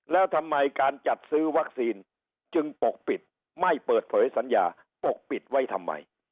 แล้วทำไมการจัดซื้อวัคซีนจึงปกปิดไม่เปิดเผยสัญญาปกปิดไว้ทำไม